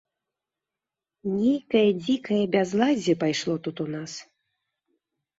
Нейкае дзікае бязладдзе пайшло тут у нас.